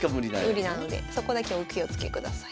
無理なのでそこだけお気をつけください。